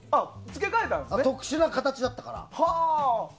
特殊な形だったから。